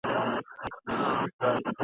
ټوله ښکلا ورڅخه واخلي ..